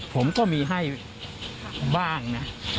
ผมก็มีให้บ้างนะ